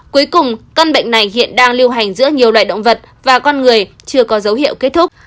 cuối cùng căn bệnh này hiện đang lưu hành giữa nhiều loài động vật và con người chưa có dấu hiệu kết thúc